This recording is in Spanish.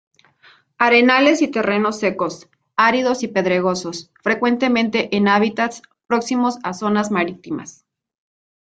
Arenales y terrenos secos, áridos y pedregosos, frecuentemente en hábitats próximos a zonas marítimas.